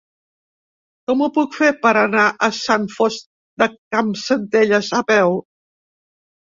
Com ho puc fer per anar a Sant Fost de Campsentelles a peu?